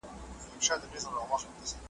په مجلس کې مشرانو ته ځای ورکړئ.